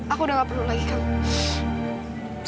aku udah gak perlu lagi kan